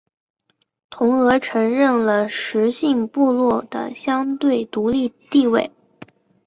同俄承认了十姓部落的相对独立地位。